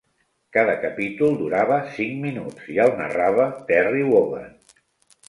Cada capítol durava cinc minuts i el narrava Terry Wogan.